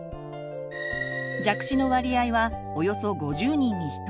弱視の割合はおよそ５０人に１人。